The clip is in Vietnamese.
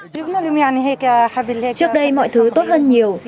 trước đây mọi thứ tốt hơn nhiều